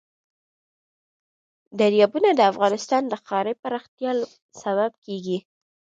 دریابونه د افغانستان د ښاري پراختیا سبب کېږي.